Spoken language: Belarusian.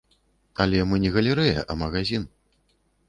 Але мы не галерэя, а магазін.